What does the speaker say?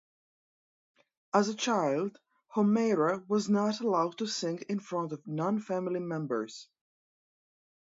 As a child, Homeyra was not allowed to sing in front of non-family members.